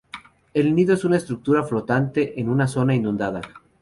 El nido es una estructura flotante en una zona inundada.